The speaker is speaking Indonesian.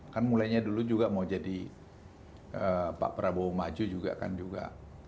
kan mulainya dulu juga mau jadi pak prabowo maju juga kan juga